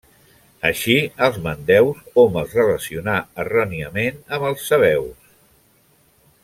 Així, als mandeus hom els relacionà erròniament amb els sabeus.